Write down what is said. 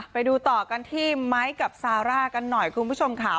ไปดูต่อกันที่ไมค์กับซาร่ากันหน่อยคุณผู้ชมค่ะ